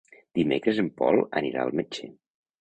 Dimecres en Pol anirà al metge.